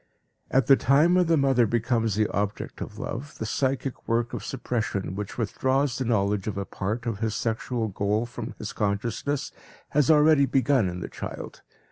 At the time when the mother becomes the object of love, the psychic work of suppression which withdraws the knowledge of a part of his sexual goal from his consciousness has already begun in the child.